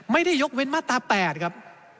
ไม่ได้ยกเว้นมาตรา๘ครับ